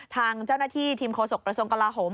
ทางเจ้าหน้าที่ทีมโฆษกระทรวงกลาโหม